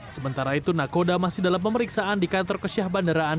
sementara itu nakoda masih dalam pemeriksaan di kantor kesyah bandaraan